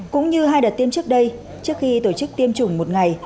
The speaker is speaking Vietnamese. cũng như hai đợt tiêm trước đây trước khi tổ chức tiêm chủng một ngày